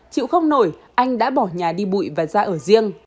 chịu không nổi anh đã bỏ nhà đi bụi và ra ở riêng